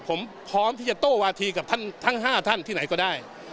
ผมพร้อมที่จะโต้วาธีกับท่านทั้ง๕ท่านที่ไหนก็ได้